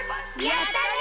やったね！